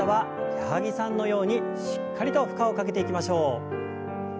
矢作さんのようにしっかりと負荷をかけていきましょう。